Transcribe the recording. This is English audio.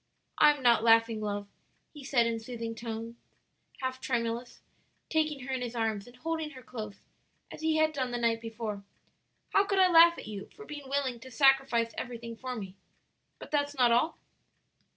"I am not laughing, love," he said in soothing, half tremulous tones, taking her in his arms and holding her close, as he had done the night before. "How could I laugh at you for being willing to sacrifice everything for me? But that's not all?"